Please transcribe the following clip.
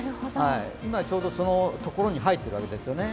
今、ちょうどそのところに入っているわけですよね。